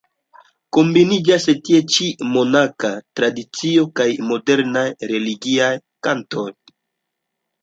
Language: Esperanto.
Kombiniĝas tie ĉi monaĥa tradicio kaj modernaj religiaj kantoj.